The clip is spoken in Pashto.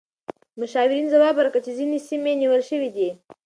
مشاورین ځواب ورکړ چې ځینې سیمې نیول شوې دي.